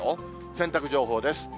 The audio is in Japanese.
洗濯情報です。